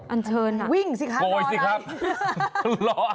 อันเชิญวิ่งสิครับโกยสิครับรออะไร